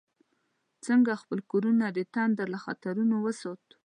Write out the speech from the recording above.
څنګه خپل کورونه د تندر له خطرونو وساتو؟